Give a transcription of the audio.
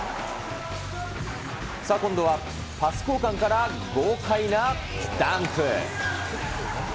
今度はパス交換から豪快なダンク。